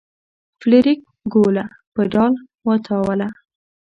فلیریک ګوله په ډال وتاوله.